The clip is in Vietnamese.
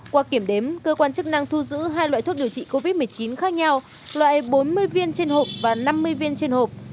qua kiểm đếm cơ quan chức năng thu giữ hai loại thuốc điều trị covid một mươi chín khác nhau loại bốn mươi viên trên hộp và năm mươi viên trên hộp